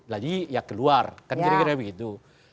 lagi ya keluar kan kira kira begitu